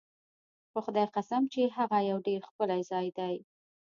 په خدای قسم چې هغه یو ډېر ښکلی ځای دی.